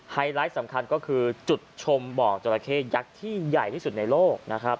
ไลท์สำคัญก็คือจุดชมบ่อจราเข้ยักษ์ที่ใหญ่ที่สุดในโลกนะครับ